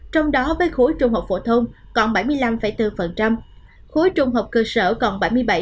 trong đó với khối trung học phổ thông còn bảy mươi năm bốn khối trung học cơ sở còn bảy mươi bảy bảy